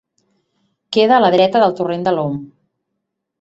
Queda a la dreta del torrent de l'Om.